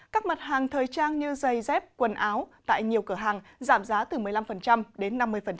các mặt hàng thời trang như giày dép quần áo tại nhiều cửa hàng giảm giá từ một mươi năm đến năm mươi